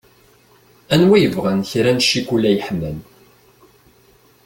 Anwa i yebɣan kra n cikula yeḥman.